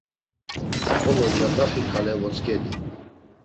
Xolo cadaxi ǩale votzǩedi.